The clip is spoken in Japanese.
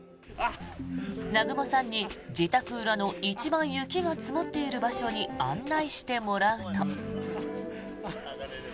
南雲さんに自宅裏の一番雪が積もっている場所に案内してもらうと。